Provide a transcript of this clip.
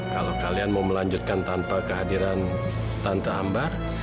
kalau kalian mau melanjutkan tanpa kehadiran tante ambar